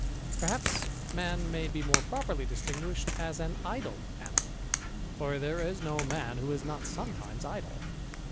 Perhaps man may be more properly distinguished ^ an idle animal : for there is no man who is not sometimes ^<lle.